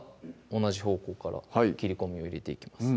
同じ方向から切り込みを入れていきます